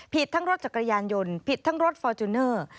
ผิดทั้งรถจักรยานยนต์ผิดทั้งรถฟอร์จูเนอร์